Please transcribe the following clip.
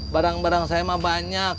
barang barang saya mah banyak